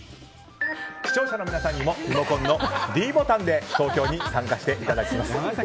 視聴者の皆さんにもリモコンのｄボタンで投票に参加していただけます。